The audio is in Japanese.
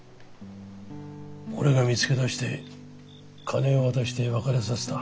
俺が見つけ出して金を渡して別れさせた。